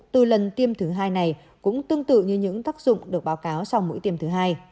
từ lần tiêm thứ hai này cũng tương tự như những tác dụng được báo cáo sau mũi tiêm thứ hai